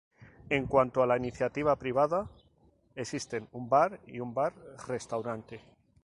En cuanto a la iniciativa privada, existen un bar y un bar-restaurante.